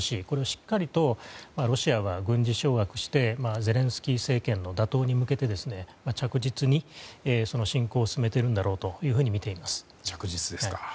これをしっかりとロシアは軍事掌握してゼレンスキー政権の打倒に向けて着実に侵攻を進めているんだろうと見ています。